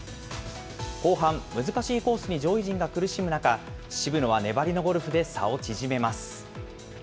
後半、難しいコースに上位陣が苦しむ中、渋野は粘りのゴルフで差を縮めます。